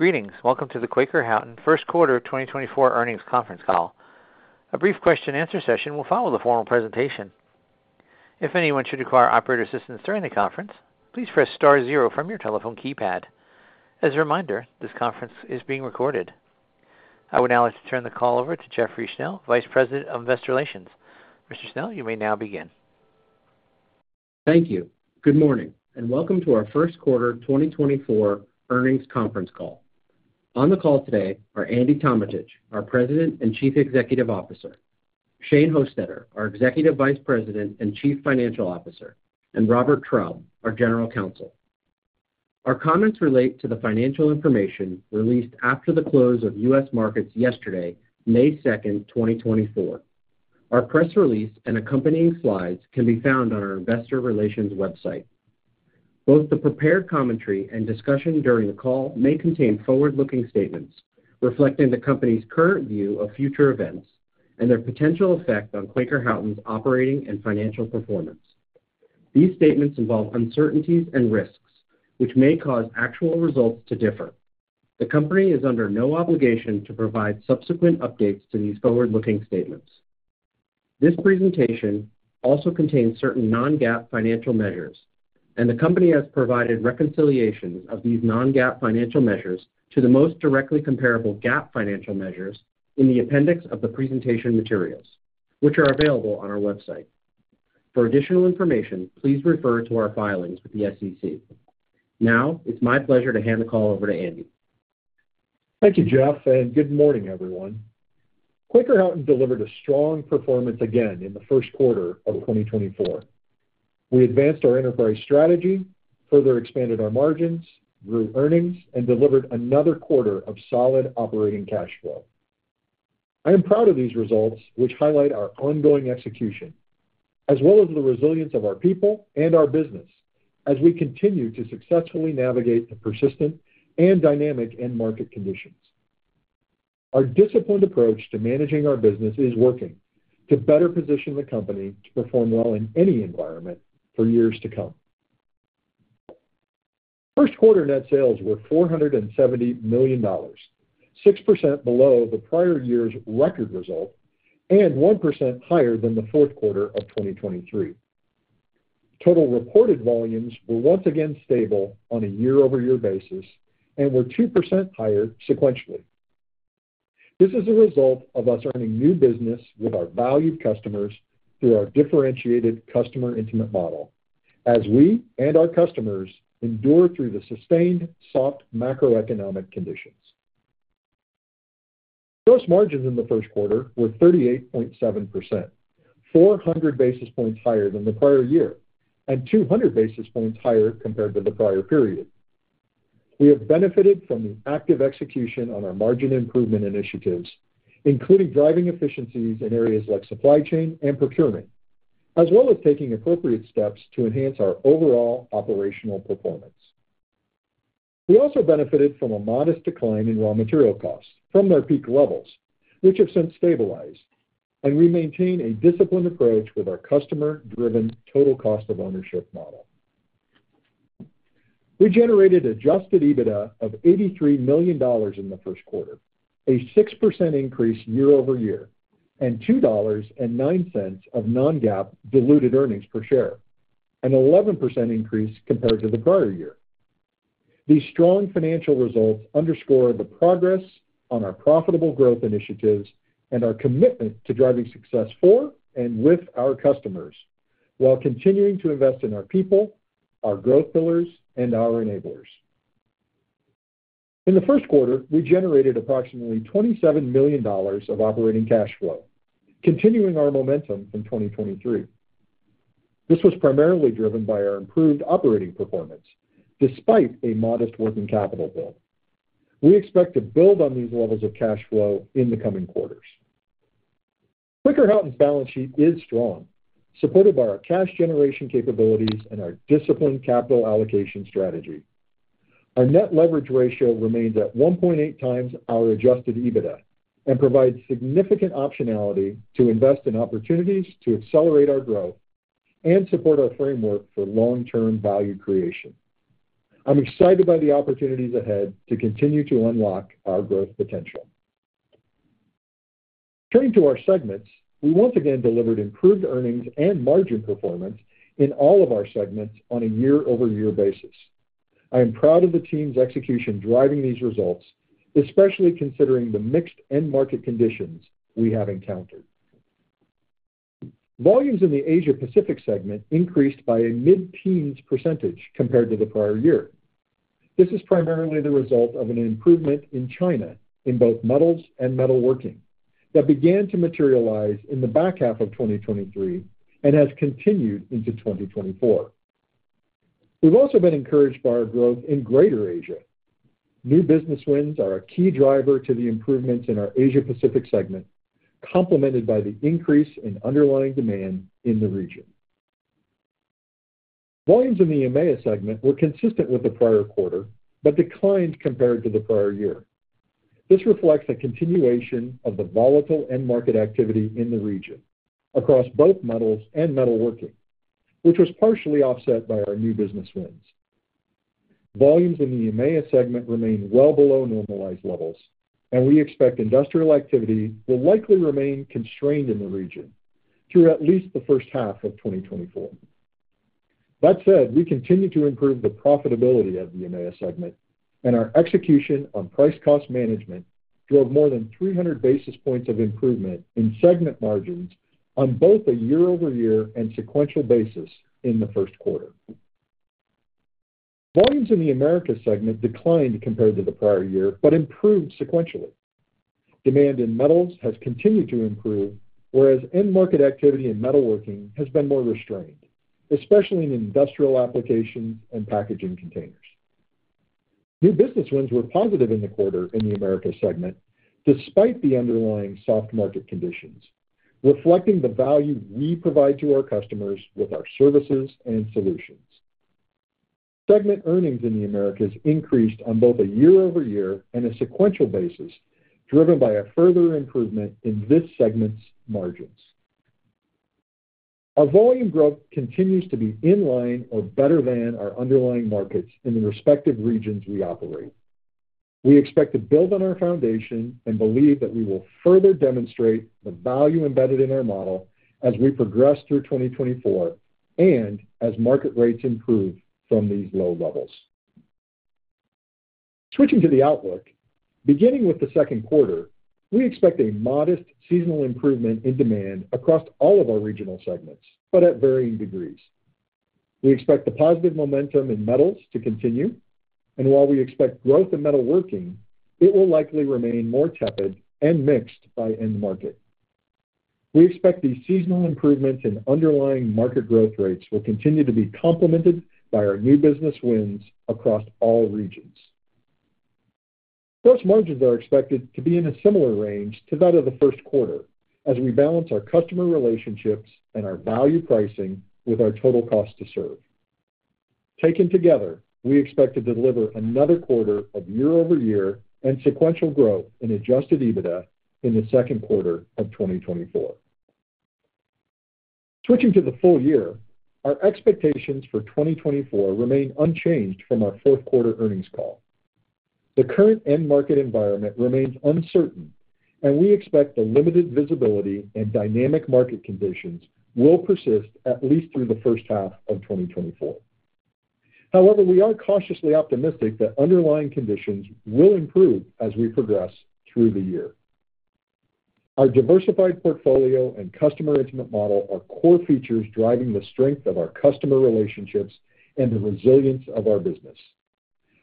Greetings! Welcome to the Quaker Houghton first quarter 2024 earnings conference Call. A brief question-and-answer session will follow the formal presentation. If anyone should require operator assistance during the conference, please press Star zero from your telephone keypad. As a reminder, this conference is being recorded. I would now like to turn the call over to Jeffrey Schnell, Vice President of Investor Relations. Mr. Schnell, you may now begin. Thank you. Good morning, and welcome to our first quarter 2024 earnings conference call. On the call today are Andy Tometich, our President and Chief Executive Officer, Shane Hostetter, our Executive Vice President and Chief Financial Officer, and Robert Traub, our General Counsel. Our comments relate to the financial information released after the close of U.S. markets yesterday, May 2nd, 2024. Our press release and accompanying slides can be found on our investor relations website. Both the prepared commentary and discussion during the call may contain forward-looking statements reflecting the company's current view of future events and their potential effect on Quaker Houghton's operating and financial performance. These statements involve uncertainties and risks, which may cause actual results to differ. The company is under no obligation to provide subsequent updates to these forward-looking statements. This presentation also contains certain non-GAAP financial measures, and the company has provided reconciliations of these non-GAAP financial measures to the most directly comparable GAAP financial measures in the appendix of the presentation materials, which are available on our website. For additional information, please refer to our filings with the SEC. Now, it's my pleasure to hand the call over to Andy. Thank you, Jeff, and good morning, everyone. Quaker Houghton delivered a strong performance again in the first quarter of 2024. We advanced our enterprise strategy, further expanded our margins, grew earnings, and delivered another quarter of solid operating cash flow. I am proud of these results, which highlight our ongoing execution, as well as the resilience of our people and our business as we continue to successfully navigate the persistent and dynamic end market conditions. Our disciplined approach to managing our business is working to better position the company to perform well in any environment for years to come. First quarter net sales were $470 million, 6% below the prior year's record result and 1% higher than the fourth quarter of 2023. Total reported volumes were once again stable on a year-over-year basis and were 2% higher sequentially. This is a result of us earning new business with our valued customers through our differentiated customer intimate model, as we and our customers endure through the sustained soft macroeconomic conditions. Gross margins in the first quarter were 38.7%, 400 basis points higher than the prior year and 200 basis points higher compared to the prior period. We have benefited from the active execution on our margin improvement initiatives, including driving efficiencies in areas like supply chain and procurement, as well as taking appropriate steps to enhance our overall operational performance. We also benefited from a modest decline in raw material costs from their peak levels, which have since stabilized, and we maintain a disciplined approach with our customer-driven total cost of ownership model. We generated Adjusted EBITDA of $83 million in the first quarter, a 6% increase year-over-year, and $2.09 of non-GAAP diluted earnings per share, an 11% increase compared to the prior year. These strong financial results underscore the progress on our profitable growth initiatives and our commitment to driving success for and with our customers, while continuing to invest in our people, our growth pillars, and our enablers. In the first quarter, we generated approximately $27 million of operating cash flow, continuing our momentum from 2023. This was primarily driven by our improved operating performance, despite a modest working capital build. We expect to build on these levels of cash flow in the coming quarters. Quaker Houghton's balance sheet is strong, supported by our cash generation capabilities and our disciplined capital allocation strategy. Our net leverage ratio remains at 1.8x our Adjusted EBITDA, and provides significant optionality to invest in opportunities to accelerate our growth and support our framework for long-term value creation. I'm excited by the opportunities ahead to continue to unlock our growth potential. Turning to our segments, we once again delivered improved earnings and margin performance in all of our segments on a year-over-year basis. I am proud of the team's execution driving these results, especially considering the mixed end market conditions we have encountered. Volumes in the Asia Pacific segment increased by a mid-teens percentage compared to the prior year. This is primarily the result of an improvement in China in both metals and metalworking that began to materialize in the back half of 2023 and has continued into 2024. We've also been encouraged by our growth in Greater Asia. New business wins are a key driver to the improvements in our Asia Pacific segment, complemented by the increase in underlying demand in the region. Volumes in the EMEA segment were consistent with the prior quarter, but declined compared to the prior year. This reflects a continuation of the volatile end market activity in the region, across both metals and metalworking, which was partially offset by our new business wins. Volumes in the EMEA segment remain well below normalized levels, and we expect industrial activity will likely remain constrained in the region through at least the first half of 2024. That said, we continue to improve the profitability of the EMEA segment, and our execution on price cost management drove more than 300 basis points of improvement in segment margins on both a year-over-year and sequential basis in the first quarter. Volumes in the Americas segment declined compared to the prior year, but improved sequentially. Demand in metals has continued to improve, whereas end market activity in metalworking has been more restrained, especially in industrial applications and packaging containers. New business wins were positive in the quarter in the Americas segment, despite the underlying soft market conditions, reflecting the value we provide to our customers with our services and solutions. Segment earnings in the Americas increased on both a year-over-year and a sequential basis, driven by a further improvement in this segment's margins. Our volume growth continues to be in line or better than our underlying markets in the respective regions we operate. We expect to build on our foundation and believe that we will further demonstrate the value embedded in our model as we progress through 2024 and as market rates improve from these low levels. Switching to the outlook, beginning with the second quarter, we expect a modest seasonal improvement in demand across all of our regional segments, but at varying degrees. We expect the positive momentum in Metals to continue, and while we expect growth in Metalworking, it will likely remain more tepid and mixed by end market. We expect these seasonal improvements in underlying market growth rates will continue to be complemented by our new business wins across all regions. Gross margins are expected to be in a similar range to that of the first quarter, as we balance our customer relationships and our value pricing with our total cost to serve. Taken together, we expect to deliver another quarter of year-over-year and sequential growth in adjusted EBITDA in the second quarter of 2024. Switching to the full-year, our expectations for 2024 remain unchanged from our fourth quarter earnings call. The current end market environment remains uncertain, and we expect the limited visibility and dynamic market conditions will persist at least through the first half of 2024. However, we are cautiously optimistic that underlying conditions will improve as we progress through the year. Our diversified portfolio and customer-intimate model are core features driving the strength of our customer relationships and the resilience of our business.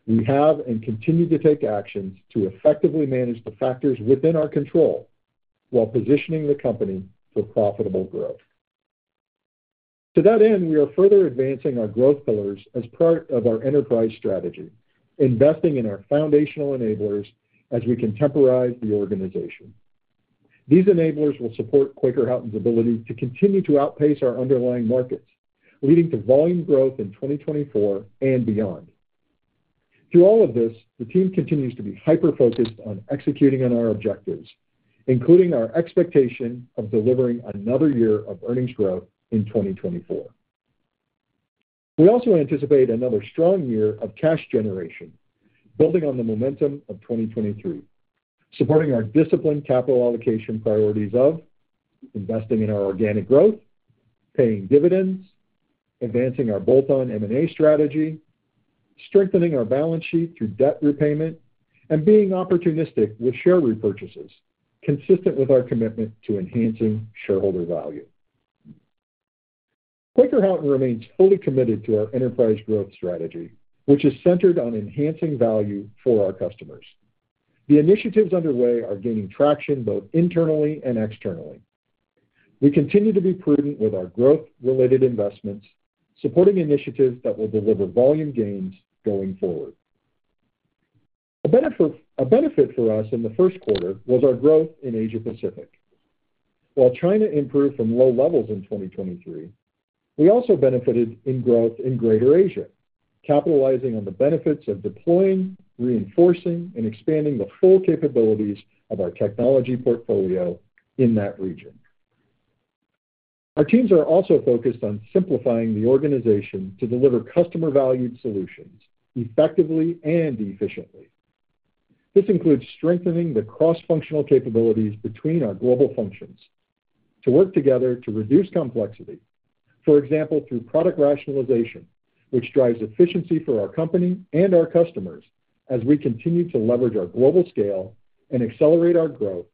We have and continue to take actions to effectively manage the factors within our control, while positioning the company for profitable growth. To that end, we are further advancing our growth pillars as part of our enterprise strategy, investing in our foundational enablers as we contemporize the organization. These enablers will support Quaker Houghton's ability to continue to outpace our underlying markets, leading to volume growth in 2024 and beyond. Through all of this, the team continues to be hyper-focused on executing on our objectives, including our expectation of delivering another year of earnings growth in 2024. We also anticipate another strong year of cash generation, building on the momentum of 2023, supporting our disciplined capital allocation priorities of investing in our organic growth, paying dividends, advancing our bolt-on M&A strategy, strengthening our balance sheet through debt repayment, and being opportunistic with share repurchases, consistent with our commitment to enhancing shareholder value. Quaker Houghton remains fully committed to our enterprise growth strategy, which is centered on enhancing value for our customers. The initiatives underway are gaining traction both internally and externally. We continue to be prudent with our growth-related investments, supporting initiatives that will deliver volume gains going forward. A benefit for us in the first quarter was our growth in Asia Pacific. While China improved from low levels in 2023, we also benefited in growth in Greater Asia, capitalizing on the benefits of deploying, reinforcing, and expanding the full capabilities of our technology portfolio in that region. Our teams are also focused on simplifying the organization to deliver customer-valued solutions effectively and efficiently. This includes strengthening the cross-functional capabilities between our global functions to work together to reduce complexity, for example, through product rationalization, which drives efficiency for our company and our customers as we continue to leverage our global scale and accelerate our growth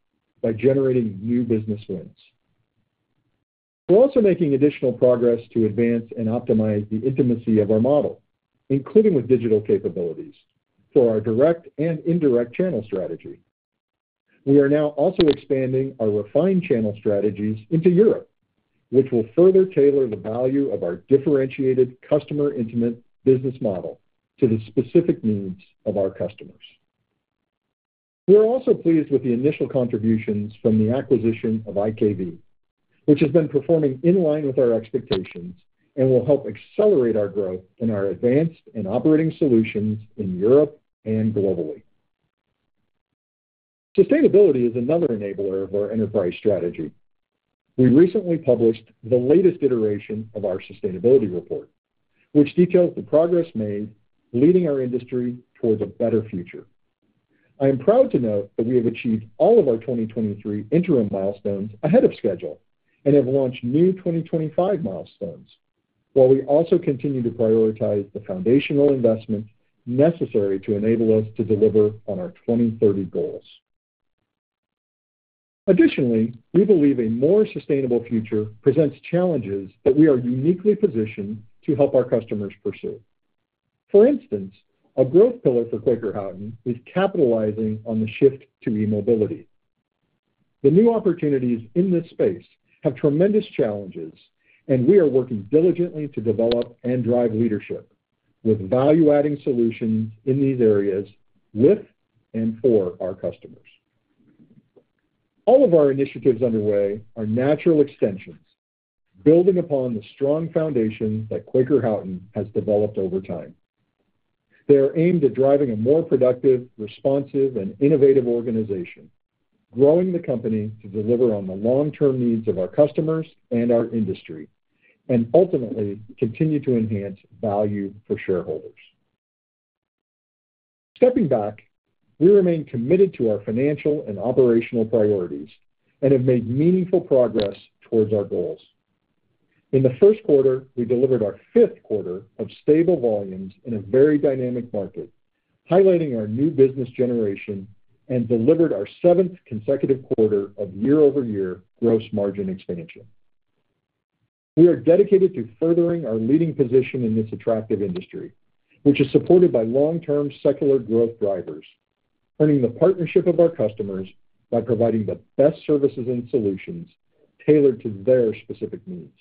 by generating new business wins. We're also making additional progress to advance and optimize the intimacy of our model, including with digital capabilities, for our direct and indirect channel strategy. We are now also expanding our refined channel strategies into Europe, which will further tailor the value of our differentiated, customer-intimate business model to the specific needs of our customers. We are also pleased with the initial contributions from the acquisition of IKV, which has been performing in line with our expectations and will help accelerate our growth in our advanced and operating solutions in Europe and globally. Sustainability is another enabler of our Enterprise Strategy. We recently published the latest iteration of our sustainability report, which details the progress made leading our industry towards a better future. I am proud to note that we have achieved all of our 2023 interim milestones ahead of schedule, and have launched new 2025 milestones, while we also continue to prioritize the foundational investments necessary to enable us to deliver on our 2030 goals. Additionally, we believe a more sustainable future presents challenges that we are uniquely positioned to help our customers pursue. For instance, a growth pillar for Quaker Houghton is capitalizing on the shift to e-mobility. The new opportunities in this space have tremendous challenges, and we are working diligently to develop and drive leadership with value-adding solutions in these areas, with and for our customers. All of our initiatives underway are natural extensions, building upon the strong foundation that Quaker Houghton has developed over time. They are aimed at driving a more productive, responsive, and innovative organization, growing the company to deliver on the long-term needs of our customers and our industry, and ultimately continue to enhance value for shareholders. Stepping back, we remain committed to our financial and operational priorities and have made meaningful progress towards our goals. In the first quarter, we delivered our fifth quarter of stable volumes in a very dynamic market, highlighting our new business generation, and delivered our 7th consecutive quarter of year-over-year gross margin expansion. We are dedicated to furthering our leading position in this attractive industry, which is supported by long-term secular growth drivers, earning the partnership of our customers by providing the best services and solutions tailored to their specific needs.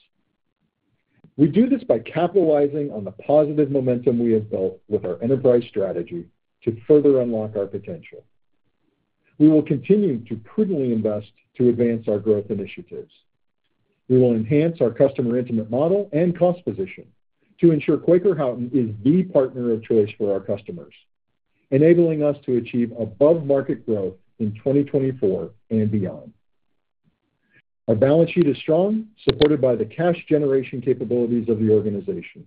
We do this by capitalizing on the positive momentum we have built with our enterprise strategy to further unlock our potential. We will continue to prudently invest to advance our growth initiatives. We will enhance our customer intimate model and cost position to ensure Quaker Houghton is the partner of choice for our customers, enabling us to achieve above-market growth in 2024 and beyond. Our balance sheet is strong, supported by the cash generation capabilities of the organization,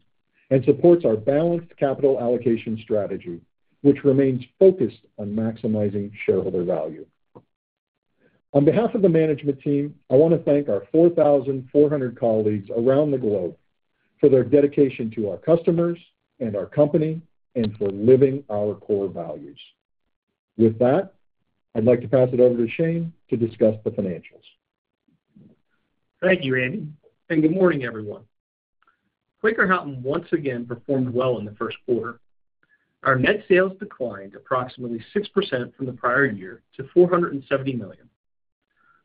and supports our balanced capital allocation strategy, which remains focused on maximizing shareholder value. On behalf of the management team, I want to thank our 4,400 colleagues around the globe for their dedication to our customers and our company and for living our core values. With that, I'd like to pass it over to Shane to discuss the financials. Thank you, Andy, and good morning, everyone. Quaker Houghton once again performed well in the first quarter. Our net sales declined approximately 6% from the prior year to $470 million.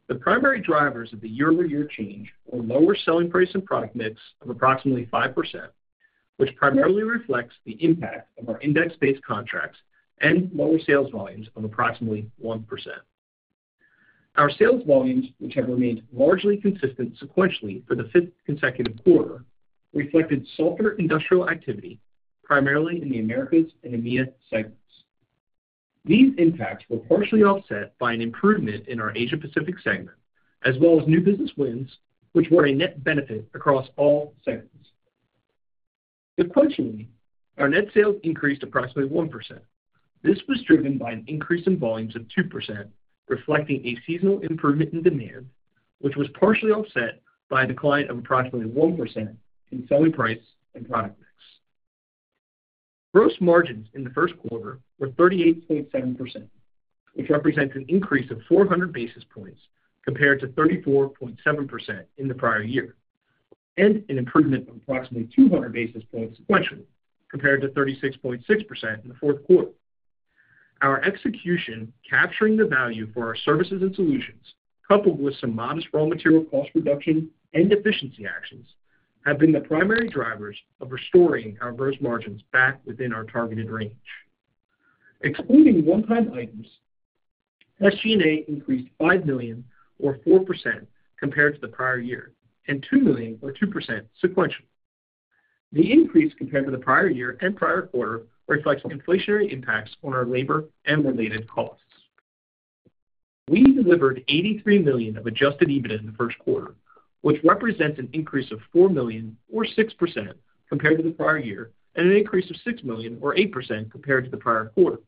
The primary drivers of the year-over-year change were lower selling price and product mix of approximately 5%, which primarily reflects the impact of our index-based contracts and lower sales volumes of approximately 1%. Our sales volumes, which have remained largely consistent sequentially for the fifth consecutive quarter, reflected softer industrial activity, primarily in the Americas and EMEA segments. These impacts were partially offset by an improvement in our Asia Pacific segment, as well as new business wins, which were a net benefit across all segments. Sequentially, our net sales increased approximately 1%. This was driven by an increase in volumes of 2%, reflecting a seasonal improvement in demand, which was partially offset by a decline of approximately 1% in selling price and product mix. Gross margins in the first quarter were 38.7%, which represents an increase of 400 basis points compared to 34.7% in the prior year, and an improvement of approximately 200 basis points sequentially, compared to 36.6% in the fourth quarter. Our execution, capturing the value for our Services and Solutions, coupled with some modest raw material cost reduction and efficiency actions, have been the primary drivers of restoring our gross margins back within our targeted range. Excluding one-time items, SG&A increased $5 million, or 4% compared to the prior year, and $2 million, or 2% sequentially. The increase compared to the prior year and prior quarter reflects inflationary impacts on our labor and related costs. We delivered $83 million of adjusted EBITDA in the first quarter, which represents an increase of $4 million, or 6%, compared to the prior year, and an increase of $6 million, or 8%, compared to the prior quarter.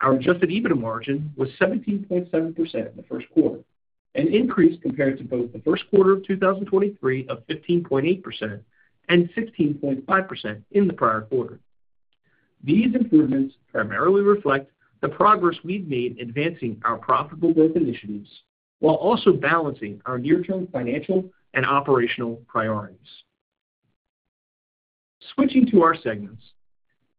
Our adjusted EBITDA margin was 17.7% in the first quarter, an increase compared to both the first quarter of 2023 of 15.8% and 16.5% in the prior quarter. These improvements primarily reflect the progress we've made advancing our profitable growth initiatives while also balancing our near-term financial and operational priorities. Switching to our segments.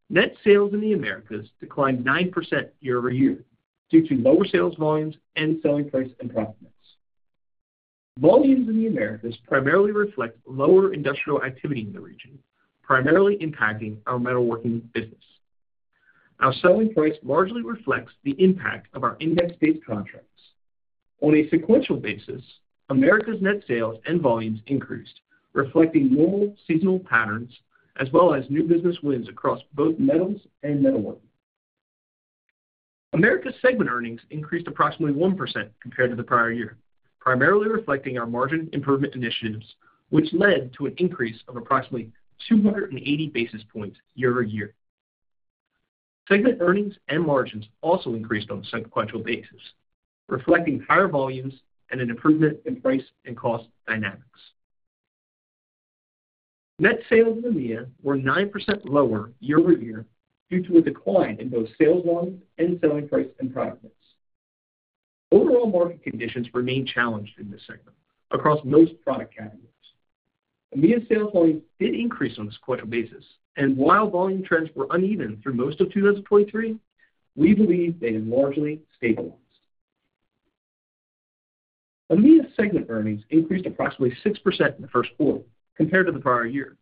Net sales in the Americas declined 9% year-over-year due to lower sales volumes and selling price and product mix. Volumes in the Americas primarily reflect lower industrial activity in the region, primarily impacting our metalworking business. Our selling price largely reflects the impact of our index-based contracts. On a sequential basis, Americas net sales and volumes increased, reflecting normal seasonal patterns as well as new business wins across both metals and metalworking. Americas segment earnings increased approximately 1% compared to the prior year, primarily reflecting our margin improvement initiatives, which led to an increase of approximately 280 basis points year-over-year. Segment earnings and margins also increased on a sequential basis, reflecting higher volumes and an improvement in price and cost dynamics. Net sales in EMEA were 9% lower year-over-year due to a decline in both sales volume and selling price and product mix. Overall market conditions remained challenged in this segment across most product categories. EMEA sales volumes did increase on a sequential basis, and while volume trends were uneven through most of 2023, we believe they have largely stabilized. EMEA segment earnings increased approximately 6% in the first quarter compared to the prior year.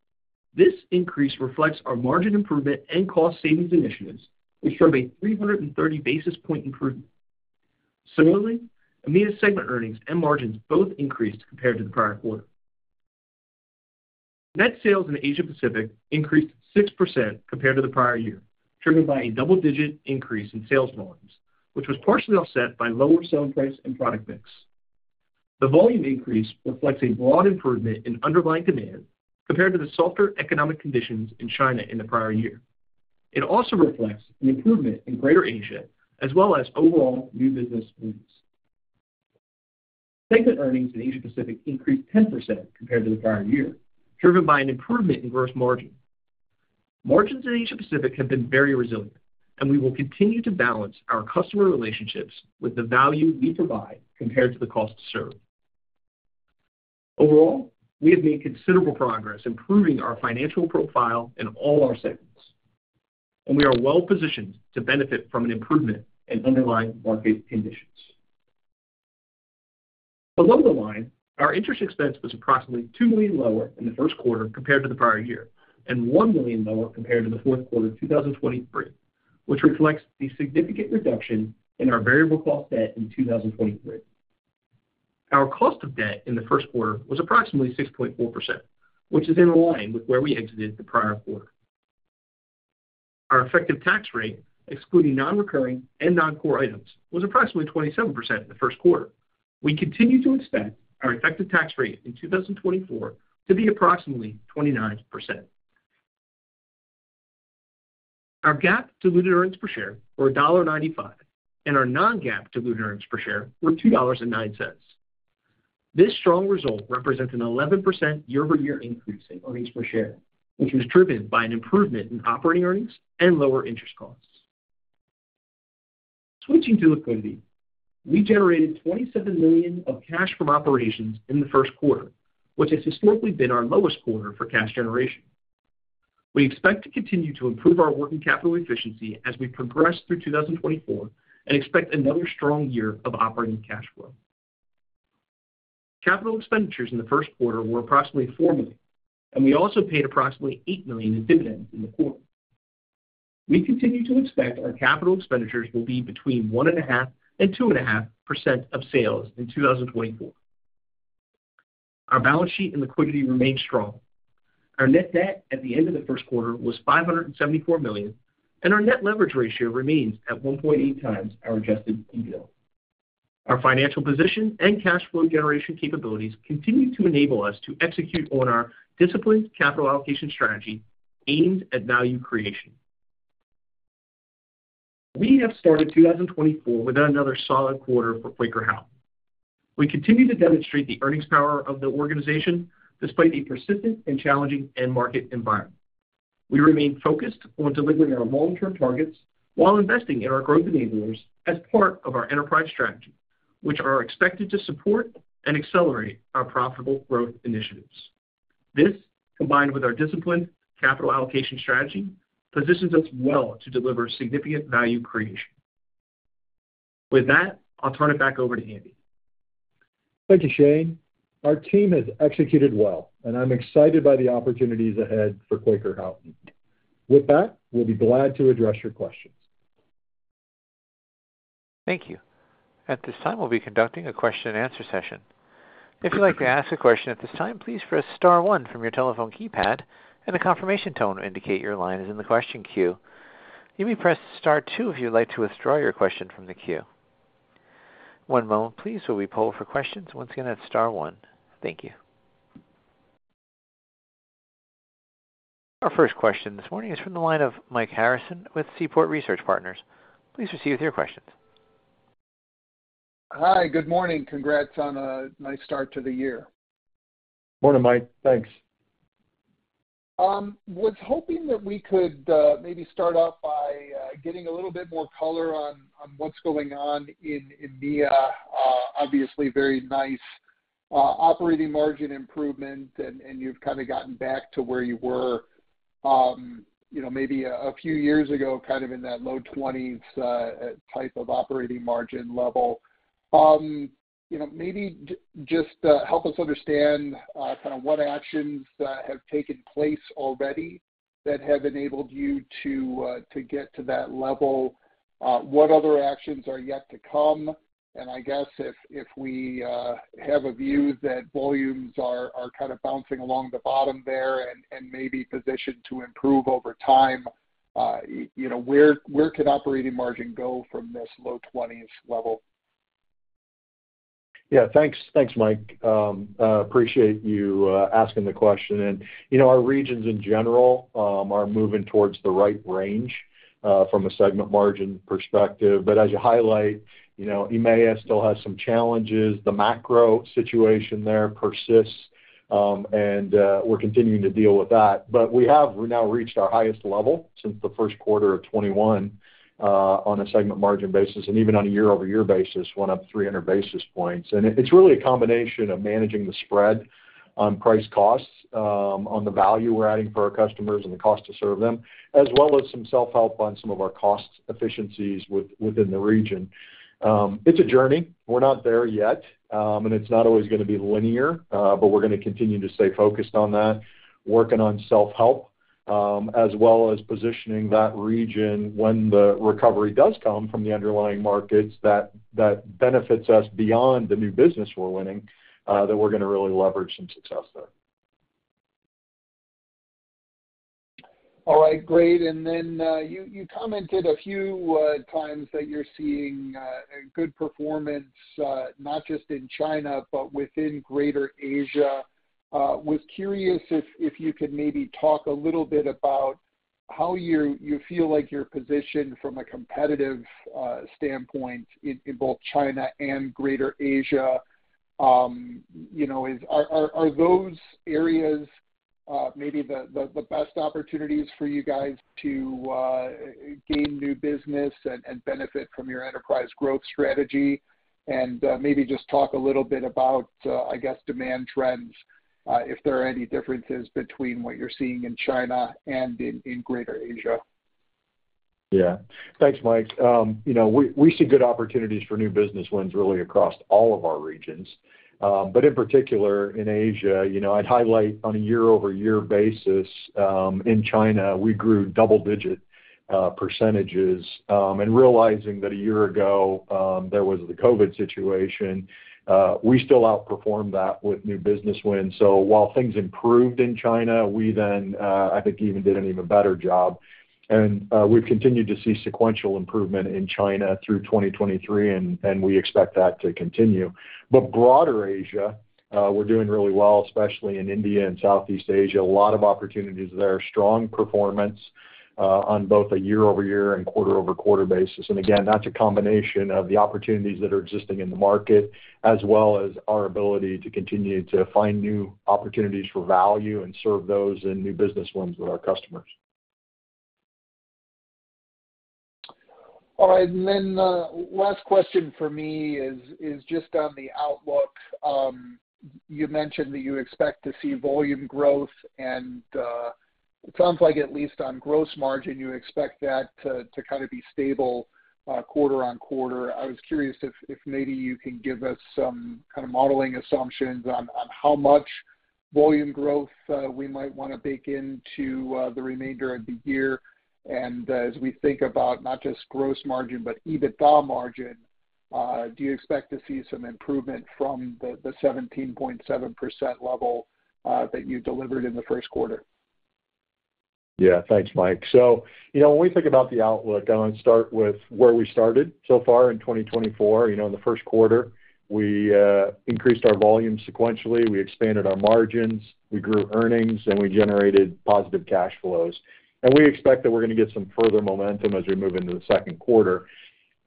This increase reflects our margin improvement and cost savings initiatives, which drove a 330 basis point improvement. Similarly, EMEA segment earnings and margins both increased compared to the prior quarter. Net sales in Asia Pacific increased 6% compared to the prior year, driven by a double-digit increase in sales volumes, which was partially offset by lower selling price and product mix. The volume increase reflects a broad improvement in underlying demand compared to the softer economic conditions in China in the prior year. It also reflects an improvement in Greater Asia, as well as overall new business wins. Segment earnings in Asia Pacific increased 10% compared to the prior year, driven by an improvement in gross margin. Margins in Asia Pacific have been very resilient, and we will continue to balance our customer relationships with the value we provide compared to the cost to serve. Overall, we have made considerable progress improving our financial profile in all our segments, and we are well positioned to benefit from an improvement in underlying market conditions. Below the line, our interest expense was approximately $2 million lower in the first quarter compared to the prior year, and $1 million lower compared to the fourth quarter of 2023, which reflects the significant reduction in our variable cost debt in 2023. Our cost of debt in the first quarter was approximately 6.4%, which is in line with where we exited the prior quarter. Our effective tax rate, excluding nonrecurring and non-core items, was approximately 27% in the first quarter. We continue to expect our effective tax rate in 2024 to be approximately 29%. Our GAAP diluted earnings per share were $1.95, and our non-GAAP diluted earnings per share were $2.09. This strong result represents an 11% year-over-year increase in earnings per share, which was driven by an improvement in operating earnings and lower interest costs. Switching to liquidity, we generated $27 million of cash from operations in the first quarter, which has historically been our lowest quarter for cash generation. We expect to continue to improve our working capital efficiency as we progress through 2024 and expect another strong year of operating cash flow. Capital expenditures in the first quarter were approximately $4 million, and we also paid approximately $8 million in dividends in the quarter. We continue to expect our capital expenditures will be between 1.5% and 2.5% of sales in 2024. Our balance sheet and liquidity remain strong. Our net debt at the end of the first quarter was $574 million, and our net leverage ratio remains at 1.8x our adjusted EBITDA. Our financial position and cash flow generation capabilities continue to enable us to execute on our disciplined capital allocation strategy aimed at value creation. We have started 2024 with another solid quarter for Quaker Houghton. We continue to demonstrate the earnings power of the organization despite a persistent and challenging end market environment. We remain focused on delivering our long-term targets while investing in our growth enablers as part of our enterprise strategy, which are expected to support and accelerate our profitable growth initiatives. This, combined with our disciplined capital allocation strategy, positions us well to deliver significant value creation. With that, I'll turn it back over to Andy. Thank you, Shane. Our team has executed well, and I'm excited by the opportunities ahead for Quaker Houghton. With that, we'll be glad to address your questions. Thank you. At this time, we'll be conducting a question-and-answer session. If you'd like to ask a question at this time, please press Star one from your telephone keypad, and a confirmation tone will indicate your line is in the question queue. You may press Star two if you'd like to withdraw your question from the queue. One moment, please, while we poll for questions. Once again, that's Star one. Thank you. Our first question this morning is from the line of Mike Harrison with Seaport Research Partners. Please proceed with your questions. Hi, good morning. Congrats on a nice start to the year. Morning, Mike. Thanks. Was hoping that we could maybe start off by getting a little bit more color on what's going on in EMEA. Obviously, very nice operating margin improvement, and you've kind of gotten back to where you were, you know, maybe a few years ago, kind of in that low twenties type of operating margin level. You know, maybe just help us understand kind of what actions have taken place already that have enabled you to get to that level? What other actions are yet to come? And I guess if we have a view that volumes are kind of bouncing along the bottom there and maybe positioned to improve over time, you know, where can operating margin go from this low 20s level? Yeah. Thanks. Thanks, Mike. Appreciate you asking the question. And, you know, our regions in general are moving towards the right range from a segment margin perspective. But as you highlight, you know, EMEA still has some challenges. The macro situation there persists, and we're continuing to deal with that. But we have now reached our highest level since the first quarter of 2021 on a segment margin basis, and even on a year-over-year basis, went up 300 basis points. And it's really a combination of managing the spread on price costs on the value we're adding for our customers and the cost to serve them, as well as some self-help on some of our cost efficiencies within the region. It's a journey. We're not there yet, and it's not always gonna be linear, but we're gonna continue to stay focused on that, working on self-help, as well as positioning that region when the recovery does come from the underlying markets, that benefits us beyond the new business we're winning, that we're gonna really leverage some success there. All right, great. And then, you commented a few times that you're seeing a good performance, not just in China, but within Greater Asia. Was curious if you could maybe talk a little bit about how you feel like you're positioned from a competitive standpoint in both China and Greater Asia. You know, are those areas maybe the best opportunities for you guys to gain new business and benefit from your enterprise growth strategy? And, maybe just talk a little bit about, I guess, demand trends, if there are any differences between what you're seeing in China and in Greater Asia. Yeah. Thanks, Mike. You know, we see good opportunities for new business wins really across all of our regions. But in particular, in Asia, you know, I'd highlight on a year-over-year basis, in China, we grew double-digit percentages. And realizing that a year ago, there was the COVID situation, we still outperformed that with new business wins. So while things improved in China, we then, I think even did an even better job. And we've continued to see sequential improvement in China through 2023, and we expect that to continue. But broader Asia, we're doing really well, especially in India and Southeast Asia, a lot of opportunities there. Strong performance on both a year-over-year and quarter-over-quarter basis. And again, that's a combination of the opportunities that are existing in the market, as well as our ability to continue to find new opportunities for value and serve those in new business wins with our customers. All right. And then, last question for me is just on the outlook. You mentioned that you expect to see volume growth, and it sounds like at least on gross margin, you expect that to kind of be stable quarter-on-quarter. I was curious if maybe you can give us some kind of modeling assumptions on how much volume growth we might wanna bake into the remainder of the year. And as we think about not just gross margin, but EBITDA margin, do you expect to see some improvement from the 17.7% level that you delivered in the first quarter? Yeah. Thanks, Mike. So, you know, when we think about the outlook, I want to start with where we started so far in 2024. You know, in the first quarter, we increased our volume sequentially, we expanded our margins, we grew earnings, and we generated positive cash flows. We expect that we're gonna get some further momentum as we move into the second quarter.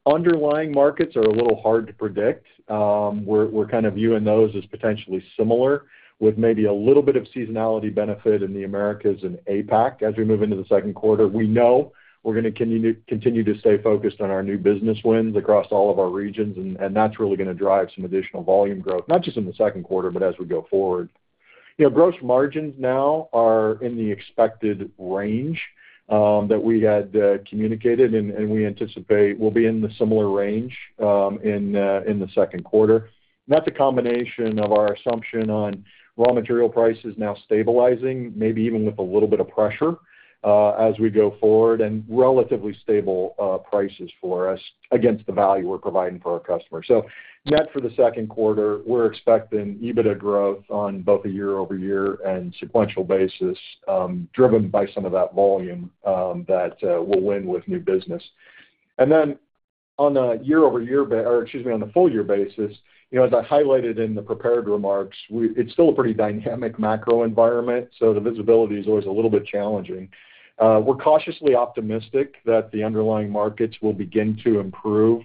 Underlying markets are a little hard to predict. We're kind of viewing those as potentially similar, with maybe a little bit of seasonality benefit in the Americas and APAC as we move into the second quarter. We know we're gonna continue to stay focused on our new business wins across all of our regions, and that's really gonna drive some additional volume growth, not just in the second quarter, but as we go forward. You know, gross margins now are in the expected range that we had communicated, and we anticipate will be in the similar range in the second quarter. That's a combination of our assumption on raw material prices now stabilizing, maybe even with a little bit of pressure as we go forward, and relatively stable prices for us against the value we're providing for our customers. So net for the second quarter, we're expecting EBITDA growth on both a year-over-year and sequential basis, driven by some of that volume that we'll win with new business. And then on a year-over-year or excuse me, on a full year basis, you know, as I highlighted in the prepared remarks, we, it's still a pretty dynamic macro environment, so the visibility is always a little bit challenging. We're cautiously optimistic that the underlying markets will begin to improve,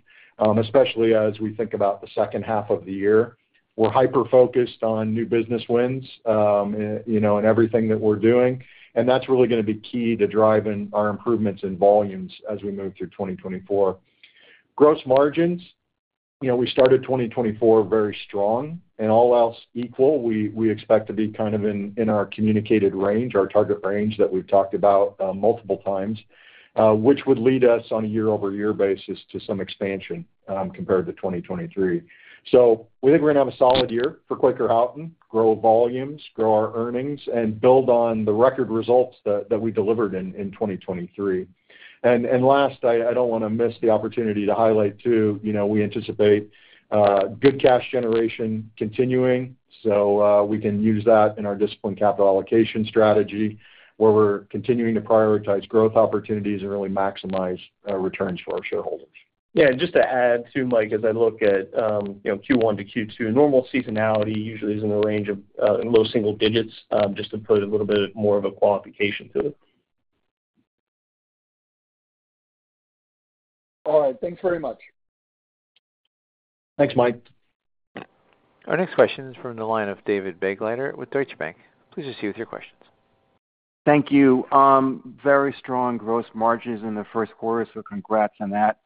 especially as we think about the second half of the year. We're hyper-focused on new business wins, you know, in everything that we're doing, and that's really gonna be key to driving our improvements in volumes as we move through 2024. Gross margins. You know, we started 2024 very strong, and all else equal, we expect to be kind of in our communicated range, our target range that we've talked about, multiple times, which would lead us on a year-over-year basis to some expansion, compared to 2023. So we think we're gonna have a solid year for Quaker Houghton, grow volumes, grow our earnings, and build on the record results that we delivered in 2023. And last, I don't wanna miss the opportunity to highlight too, you know, we anticipate good cash generation continuing, so we can use that in our disciplined capital allocation strategy, where we're continuing to prioritize growth opportunities and really maximize returns for our shareholders. Yeah, just to add too, Mike, as I look at, you know, Q-Q2, normal seasonality usually is in the range of in low single digits, just to put a little bit more of a qualification to it. All right, thanks very much. Thanks, Mike. Our next question is from the line of David Begleiter with Deutsche Bank. Please proceed with your questions. Thank you. Very strong gross margins in the first quarter, so congrats on that.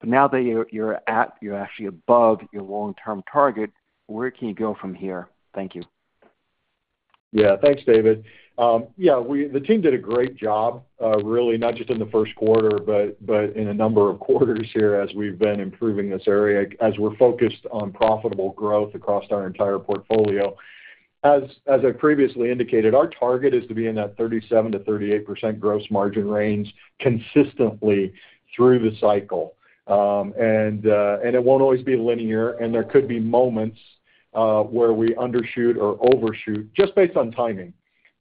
But now that you're actually above your long-term target, where can you go from here? Thank you. Yeah, thanks, David. Yeah, the team did a great job, really not just in the first quarter, but in a number of quarters here as we've been improving this area, as we're focused on profitable growth across our entire portfolio. As I previously indicated, our target is to be in that 37%-38% gross margin range consistently through the cycle. And it won't always be linear, and there could be moments where we undershoot or overshoot, just based on timing.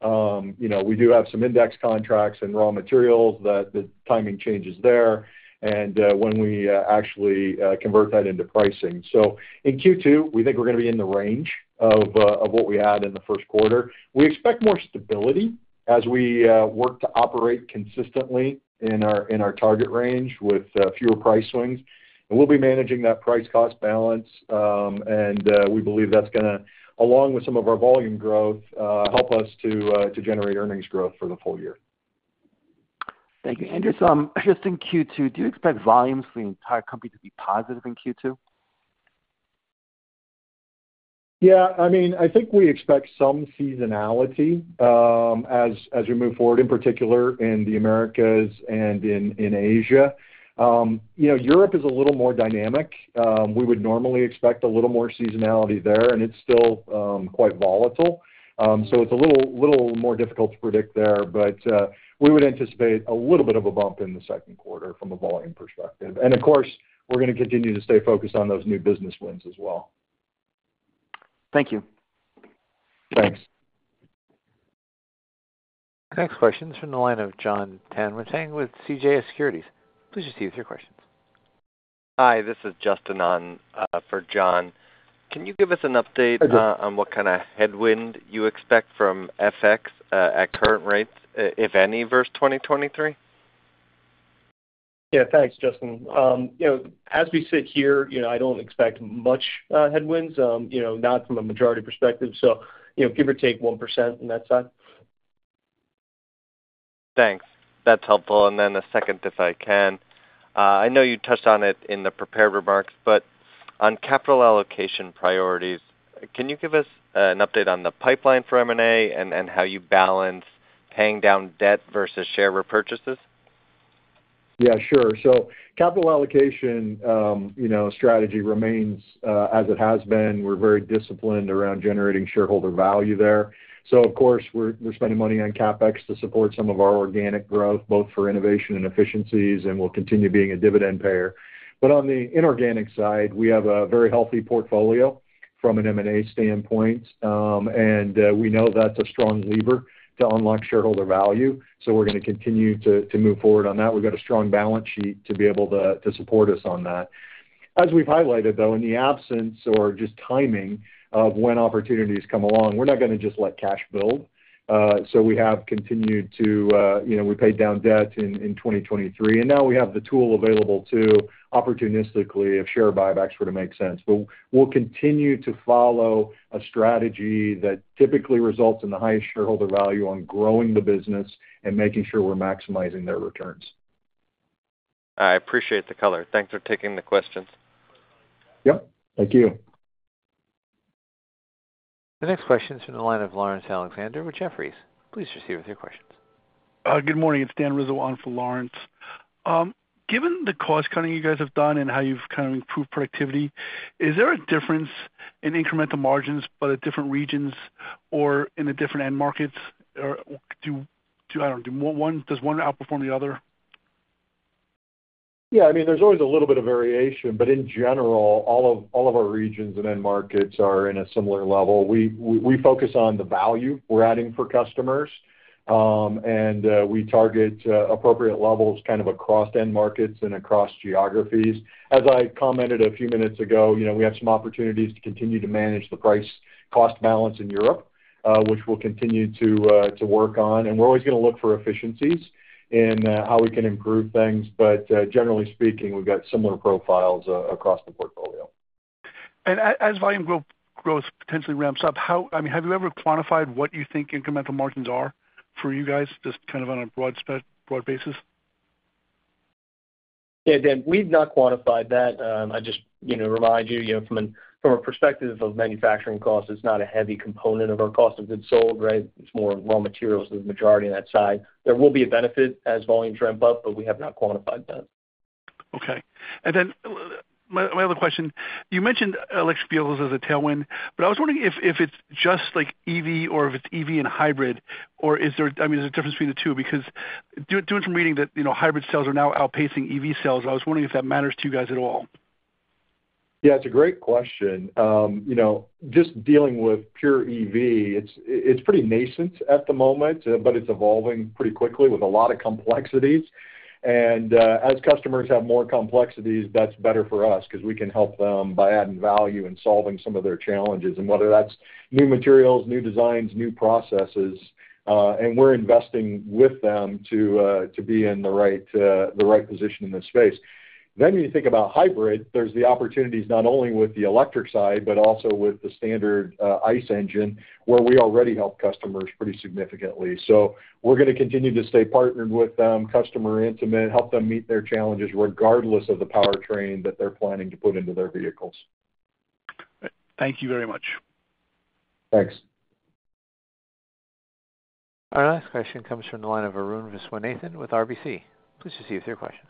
You know, we do have some index contracts and raw materials that the timing changes there, and when we actually convert that into pricing. So in Q2, we think we're gonna be in the range of what we had in the first quarter. We expect more stability as we work to operate consistently in our target range with fewer price swings. We'll be managing that price-cost balance, and we believe that's gonna, along with some of our volume growth, help us to generate earnings growth for the full-year. Thank you. Just, just in Q2, do you expect volumes for the entire company to be positive in Q2? Yeah, I mean, I think we expect some seasonality, as we move forward, in particular in the Americas and in Asia. You know, Europe is a little more dynamic. We would normally expect a little more seasonality there, and it's still quite volatile. So it's a little more difficult to predict there, but we would anticipate a little bit of a bump in the second quarter from a volume perspective. And of course, we're gonna continue to stay focused on those new business wins as well. Thank you. Thanks. Next question is from the line of Jon Tanwanteng with CJS Securities. Please proceed with your questions. Hi, this is Justin on for Jon. Can you give us an update- Hi, Justin. On what kind of headwind you expect from FX, at current rates, if any, versus 2023? Yeah, thanks, Justin. You know, as we sit here, you know, I don't expect much headwinds, you know, not from a majority perspective, so, you know, give or take 1% on that side. Thanks. That's helpful. And then the second, if I can, I know you touched on it in the prepared remarks, but on capital allocation priorities, can you give us an update on the pipeline for M&A and, and how you balance paying down debt versus share repurchases? Yeah, sure. So capital allocation, you know, strategy remains as it has been. We're very disciplined around generating shareholder value there. So of course, we're, we're spending money on CapEx to support some of our organic growth, both for innovation and efficiencies, and we'll continue being a dividend payer. But on the inorganic side, we have a very healthy portfolio from an M&A standpoint, and we know that's a strong lever to unlock shareholder value, so we're gonna continue to, to move forward on that. We've got a strong balance sheet to be able to, to support us on that. As we've highlighted, though, in the absence or just timing of when opportunities come along, we're not gonna just let cash build. So we have continued to, you know, we paid down debt in 2023, and now we have the tool available to opportunistically if share buybacks were to make sense. But we'll continue to follow a strategy that typically results in the highest shareholder value on growing the business and making sure we're maximizing their returns. I appreciate the color. Thanks for taking the questions. Yep. Thank you. The next question is from the line of Laurence Alexander with Jefferies. Please proceed with your questions. Good morning. It's Dan Rizzo on for Lawrence. Given the cost cutting you guys have done and how you've kind of improved productivity, is there a difference in incremental margins by the different regions or in the different end markets? Or, I don't know, does one outperform the other? Yeah, I mean, there's always a little bit of variation, but in general, all of our regions and end markets are in a similar level. We focus on the value we're adding for customers, and we target appropriate levels kind of across end markets and across geographies. As I commented a few minutes ago, you know, we have some opportunities to continue to manage the price cost balance in Europe, which we'll continue to work on, and we're always gonna look for efficiencies in how we can improve things. But generally speaking, we've got similar profiles across the portfolio. As volume growth potentially ramps up, how, I mean, have you ever quantified what you think incremental margins are for you guys, just kind of on a broad basis? Yeah, Dan, we've not quantified that. I just, you know, remind you, you know, from a perspective of manufacturing costs, it's not a heavy component of our cost of goods sold, right? It's more raw materials with the majority of that side. There will be a benefit as volumes ramp up, but we have not quantified that. Okay. And then, my other question, you mentioned electric vehicles as a tailwind, but I was wondering if it's just like EV or if it's EV and hybrid, or is there, I mean, is there a difference between the two? Because doing some reading that, you know, hybrid sales are now outpacing EV sales, I was wondering if that matters to you guys at all. Yeah, it's a great question. You know, just dealing with pure EV, it's, it's pretty nascent at the moment, but it's evolving pretty quickly with a lot of complexities. And, as customers have more complexities, that's better for us 'cause we can help them by adding value and solving some of their challenges, and whether that's new materials, new designs, new processes, and we're investing with them to, to be in the right, the right position in this space. Then, when you think about hybrid, there's the opportunities not only with the electric side, but also with the standard, ICE engine, where we already help customers pretty significantly. So we're gonna continue to stay partnered with them, customer intimate, help them meet their challenges, regardless of the powertrain that they're planning to put into their vehicles. Thank you very much. Thanks. Our next question comes from the line of Arun Viswanathan with RBC. Please proceed with your question.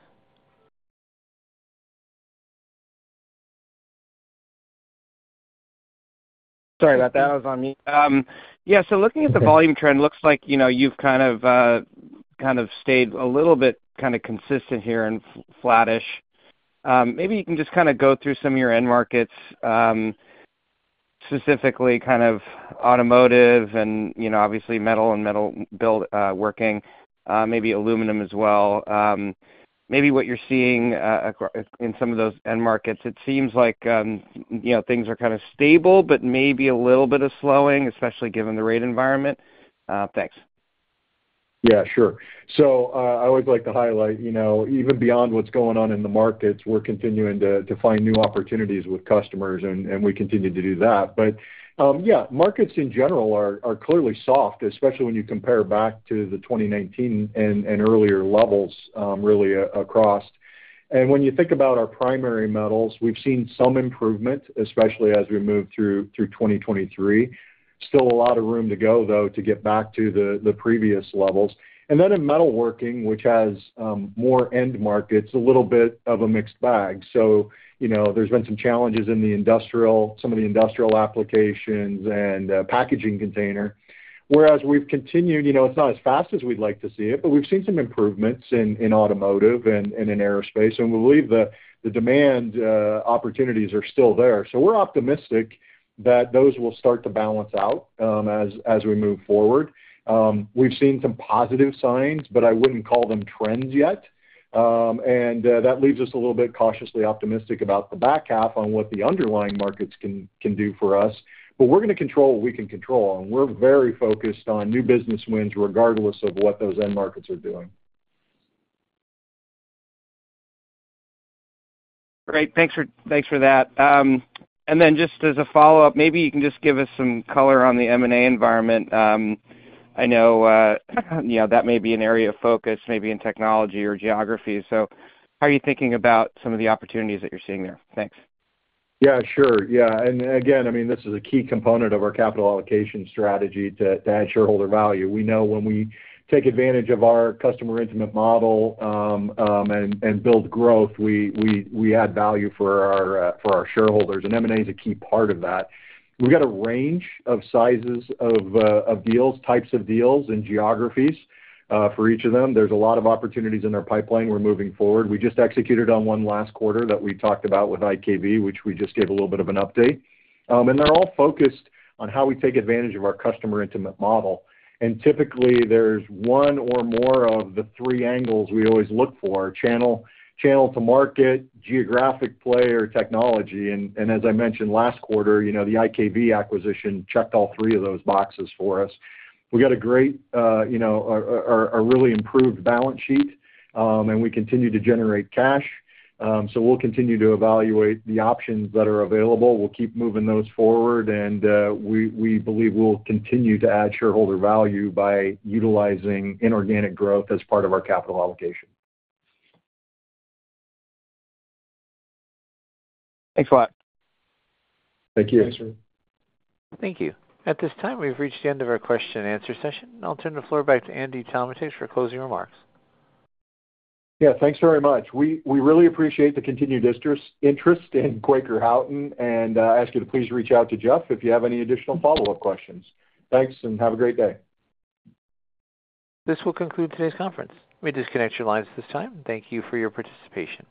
Sorry about that. I was on mute. Yeah, so looking at the volume trend, looks like, you know, you've kind of kind of stayed a little bit kind of consistent here and flattish. Maybe you can just kind of go through some of your end markets, specifically kind of automotive and, you know, obviously, metals and metalworking, maybe aluminum as well. Maybe what you're seeing across in some of those end markets. It seems like, you know, things are kind of stable, but maybe a little bit of slowing, especially given the rate environment. Thanks. Yeah, sure. So, I always like to highlight, you know, even beyond what's going on in the markets, we're continuing to find new opportunities with customers, and we continue to do that. But, yeah, markets in general are clearly soft, especially when you compare back to the 2019 and earlier levels, really across. And when you think about our primary metals, we've seen some improvement, especially as we move through 2023. Still a lot of room to go, though, to get back to the previous levels. And then in metalworking, which has more end markets, a little bit of a mixed bag. So, you know, there's been some challenges in the industrial, some of the industrial applications and, packaging container, whereas we've continued, you know, it's not as fast as we'd like to see it, but we've seen some improvements in, in automotive and, and in aerospace, and we believe the, the demand, opportunities are still there. So we're optimistic that those will start to balance out, as, as we move forward. We've seen some positive signs, but I wouldn't call them trends yet. And, that leaves us a little bit cautiously optimistic about the back half on what the underlying markets can, can do for us. But we're gonna control what we can control, and we're very focused on new business wins, regardless of what those end markets are doing. Great. Thanks for, thanks for that. And then just as a follow-up, maybe you can just give us some color on the M&A environment. I know, you know, that may be an area of focus, maybe in technology or geography. So how are you thinking about some of the opportunities that you're seeing there? Thanks. Yeah, sure. Yeah, and again, I mean, this is a key component of our capital allocation strategy to add shareholder value. We know when we take advantage of our customer intimate model, and build growth, we add value for our shareholders, and M&A is a key part of that. We've got a range of sizes of deals, types of deals and geographies, for each of them. There's a lot of opportunities in our pipeline. We're moving forward. We just executed on one last quarter that we talked about with IKV, which we just gave a little bit of an update. And they're all focused on how we take advantage of our customer intimate model. And typically, there's one or more of the three angles we always look for: channel, channel to market, geographic play or technology. As I mentioned last quarter, you know, the IKV acquisition checked all three of those boxes for us. We got a great, you know, really improved balance sheet, and we continue to generate cash. So we'll continue to evaluate the options that are available. We'll keep moving those forward, and we believe we'll continue to add shareholder value by utilizing inorganic growth as part of our capital allocation. Thanks a lot. Thank you. Thank you. At this time, we've reached the end of our question and answer session. I'll turn the floor back to Andy Tometich for closing remarks. Yeah, thanks very much. We really appreciate the continued interest in Quaker Houghton, and I ask you to please reach out to Jeff if you have any additional follow-up questions. Thanks, and have a great day. This will conclude today's conference. We disconnect your lines at this time. Thank you for your participation.